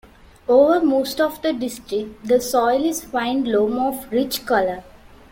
Over most of the district, the soil is fine loam of rich colour.